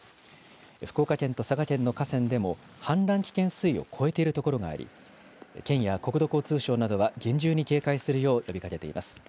福岡県と佐賀県の河川でも氾濫危険水位を超えている所があり、県や国土交通省などは厳重に警戒するよう呼びかけています。